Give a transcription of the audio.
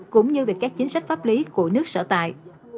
cũng như về các chính sách pháp lý của nước sở tại